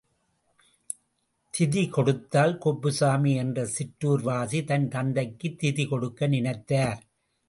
திதி கொடுத்தல் குப்புசாமி என்ற சிற்றூர்வாசி தன் தந்தைக்கு திதி கொடுக்க நினைத்தார்.